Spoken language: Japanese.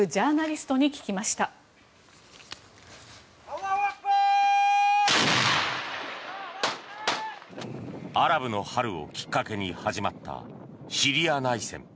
アラブの春をきっかけに始まったシリア内戦。